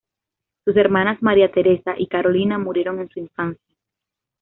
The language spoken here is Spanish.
Sus hermanas María Teresa y Carolina murieron en su infancia.